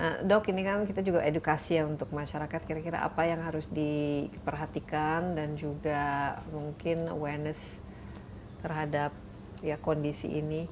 nah dok ini kan kita juga edukasi ya untuk masyarakat kira kira apa yang harus diperhatikan dan juga mungkin awareness terhadap kondisi ini